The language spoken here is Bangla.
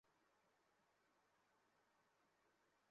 হেই, রাগিনী কোথায়?